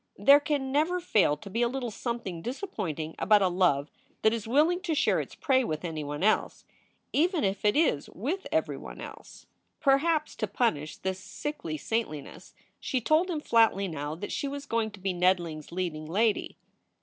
There can never fail to be a little something disappointing about a love that is willing to share its prey with anyone else even if it is with everyone else. SOULS FOR SALE 333 Perhaps to punish this sickly saintliness she told him flatly now that she was going to be Ned Ling s leading lady.